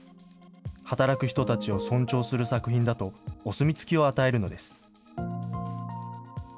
働く人たちを尊重する作品だとお墨付きを与えるのです。